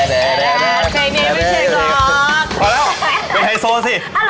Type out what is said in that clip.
พอแล้วไปไฮโซสิ